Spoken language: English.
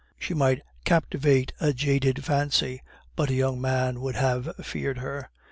She might captivate a jaded fancy, but a young man would have feared her.